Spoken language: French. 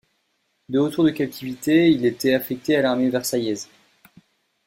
De retour de captivité il était affecté à l'armée versaillaise.